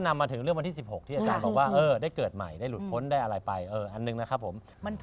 นำมาถึงวันที่๑๖ได้เกิดใหม่หลุดพ้นโอเคก็อันหนึ่งนะครับผม